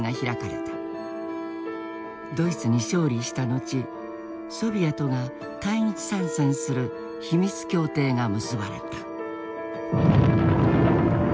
ドイツに勝利した後ソビエトが対日参戦する秘密協定が結ばれた。